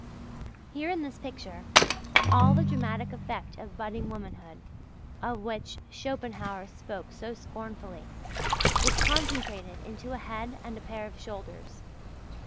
Here in this picture, all the dramatic effect of budding womanhood, of which Schopenhauer spoke so scornfully, is concentrated into a head and a pair of shoulders.